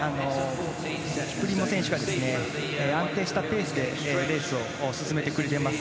キプリモ選手が安定したペースでレースを進めてくれています。